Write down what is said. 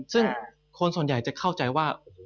ซึ่งคนส่วนใหญ่จะเข้าใจว่า